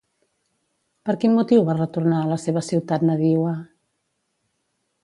Per quin motiu va retornar a la seva ciutat nadiua?